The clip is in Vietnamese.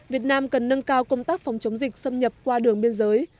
việt nam cần nâng cao công tác phòng chống dịch xâm nhập qua đường biên giới